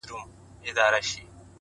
پوهه د ذهن پټې وړتیاوې راویښوي!.